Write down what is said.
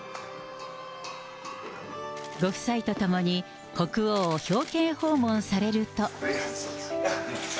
ご夫妻と共に、国王を表敬訪問されると。